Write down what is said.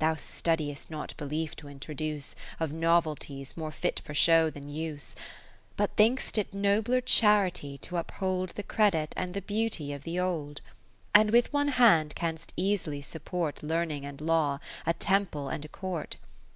Thou studiest not belief to intro duce Of novelties, more fit for show than use; But think'st it nobler charity t' uphold The credit and the beauty of the old : And with one hand canst easily support 31 Learning and Law, a Temple and a Court.